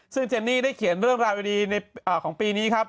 ซึ่งเจนนี่ได้เขียนเรื่องราวดีในของปีนี้ครับ